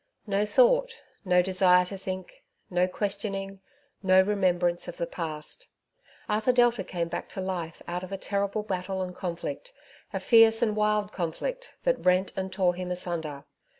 No thought, no desire to think, no questioning, no remembrance of the past ! Arthur Delta came back to life out of a terrible battle and conflict — a fierce and wild conflict, that rent and tore him asunder.